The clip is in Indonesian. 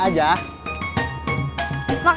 makasih ya kamu udah nyelametin aku